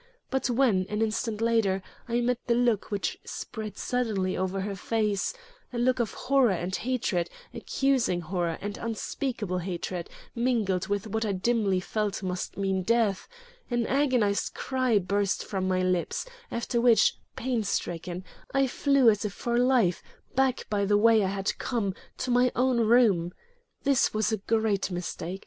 But when, an instant later, I met the look which spread suddenly over her face a look of horror and hatred, accusing horror and unspeakable hatred mingled with what I dimly felt must mean death an agonized cry burst from my lips, after which, panicstricken, I flew as if for life, back by the way I had come, to my own room. This was a great mistake.